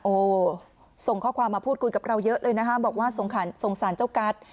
โอ้โหส่งข้อความมาพูดคุยกับเราเยอะเลยนะคะบอกว่าสงสารเจ้ากัส